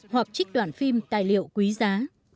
hoặc trích đoạn phim tài liệu quý giá